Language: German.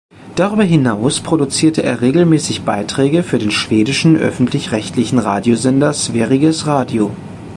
Darüber hinaus produziert er regelmäßig Beiträge für den schwedischen öffentlich-rechtlichen Radiosender Sveriges Radio.